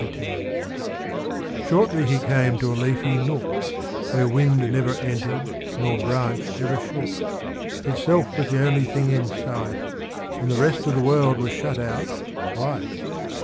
IV Shortly he came to a leafy nook, Where wind never entered nor branch ever shook. Itself was the only thing in sight. And the rest of the world was shut out quite.